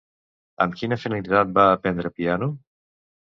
Amb quina finalitat va aprendre piano?